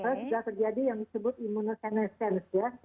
itu sudah terjadi yang disebut imunosenesens ya